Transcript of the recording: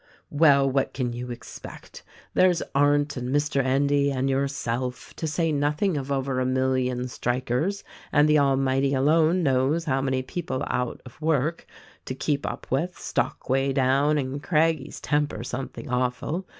"Well, what can you expect? There's Arndt and Mr. Endy and yourself, — to say nothing of over a million strik ers and the Almighty alone knows how many people out of work, — to keep up with, stock way down, and Craggie's temper something awful.